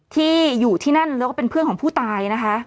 ที่อยู่ที่นั่นแล้วก็เป็นเพื่อนของผู้ตายนะคะ